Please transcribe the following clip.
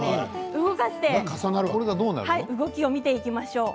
動き、見ていきましょう。